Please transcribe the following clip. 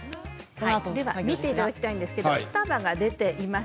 見ていただきたいんですが双葉が出ています。